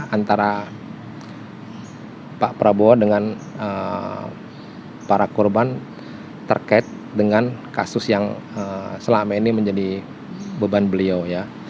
antara pak prabowo dengan para korban terkait dengan kasus yang selama ini menjadi beban beliau ya